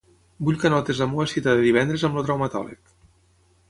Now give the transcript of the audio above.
Vull que anotis la meva cita de divendres amb el traumatòleg.